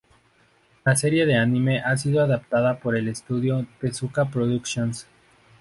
La serie de Anime ha sido adaptada por el estudio Tezuka Productions.